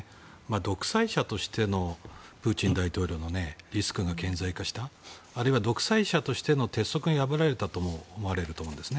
独裁者としてのプーチン大統領のリスクが顕在化したあるいは独裁者としての鉄則が破られたと思うんです。